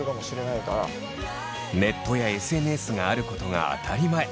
ネットやＳＮＳがあることが当たり前。